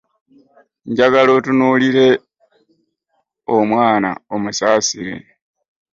Njagala otunuulire omwana omusaasire.